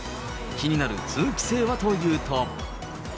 気になる通気性はというと。